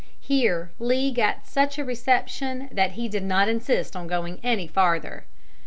Here Lee got such a reception that he did not insist on going any farther.